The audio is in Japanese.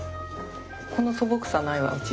この素朴さないわうち。